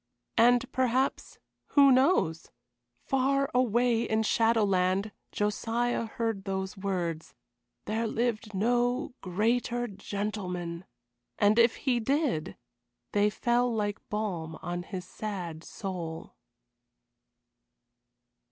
And perhaps who knows? Far away in Shadowland Josiah heard those words, "There lived no greater gentleman." And if he did they fell like balm on his sad soul.